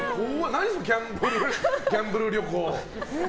何そのギャンブル旅行。